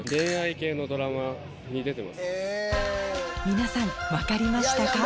皆さん分かりましたか？